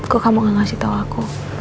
kok kamu gak ngasih tahu aku